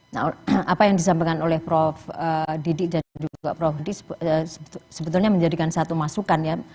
nah apa yang disampaikan oleh prof didik dan juga prof didis sebetulnya menjadikan satu masukan ya